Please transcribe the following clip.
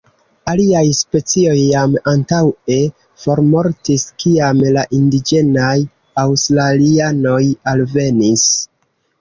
Aliaj specioj jam antaŭe formortis kiam la indiĝenaj aŭstralianoj alvenis.